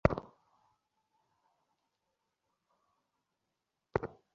কাজের মধ্যেই প্রেমের মূল না থাকিলে, ভোগের বিকাশ পরিপূর্ণ এবং স্থায়ী হয় না।